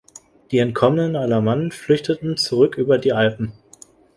Die entkommenen Alamannen flüchteten zurück über die Alpen.